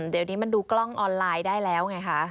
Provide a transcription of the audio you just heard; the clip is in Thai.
เดี๋ยวนี้มันดูกล้องออนไลน์ได้แล้วไงคะ